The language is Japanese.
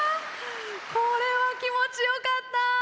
これは気持ちよかった。